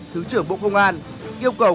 thứ trưởng bộ công an yêu cầu